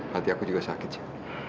hati aku juga sakit sih